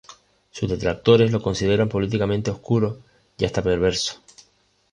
Sus detractores lo consideran políticamente obscuro y hasta perverso.